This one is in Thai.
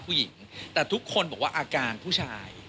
ผู้หญิงแต่ทุกคนบอกว่าอาการผู้ชาย